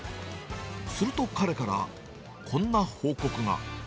すると彼から、こんな報告が。